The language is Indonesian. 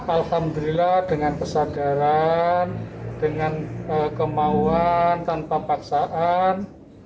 alhamdulillah dengan kesadaran dengan kemauan tanpa paksaan